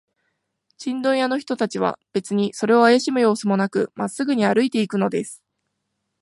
チンドン屋の人たちは、べつにそれをあやしむようすもなく、まっすぐに歩いていくのです。